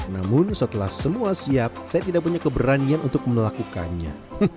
namun setelah semua siap saya tidak punya keberanian untuk melakukannya